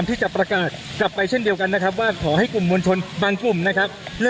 ทางกลุ่มมวลชนทะลุฟ้าทางกลุ่มมวลชนทะลุฟ้า